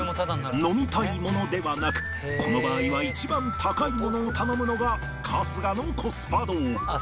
飲みたいものではなくこの場合は一番高いものを頼むのが春日のコスパ道。